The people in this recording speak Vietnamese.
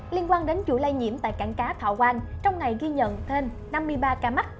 liên quan đến chủ lây nhiễm tại cảng cá thọ quang trong ngày ghi nhận thêm năm mươi ba ca mắc